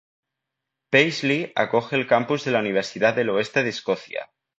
Paisley acoge el campus de la Universidad del Oeste de Escocia.